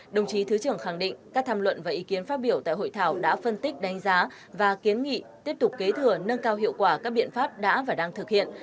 đồng chí thứ trưởng khẳng định các tham luận và ý kiến phát biểu tại hội thảo đã phân tích đánh giá và kiến nghị tiếp tục kế thừa nâng cao hiệu quả các biện pháp đã và đang thực hiện